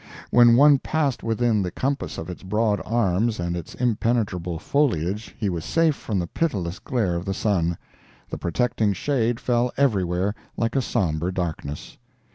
When one passed within the compass of its broad arms and its impenetrable foliage he was safe from the pitiless glare of the sun—the protecting shade fell everywhere like a somber darkness.